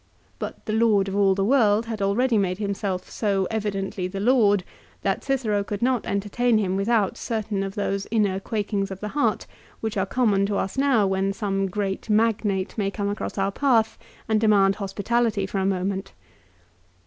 But the lord of all the world had already made himself so evidently the lord that Cicero could not entertain him without certain of those inner quakings of the heart which are common to us now when some great magnate may come across our path and demand hospitality for a moment.